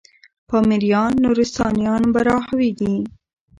پامـــــیـــریــــان، نورســــتانــیان براهــــوی دی